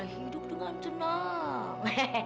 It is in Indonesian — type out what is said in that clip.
bisa hidup dengan senang